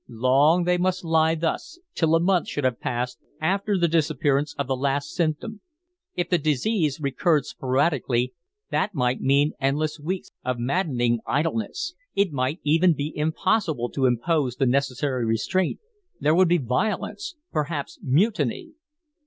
Long they must lie thus, till a month should have passed after the disappearance of the last symptom. If the disease recurred sporadically, that might mean endless weeks of maddening idleness. It might even be impossible to impose the necessary restraint; there would be violence, perhaps mutiny.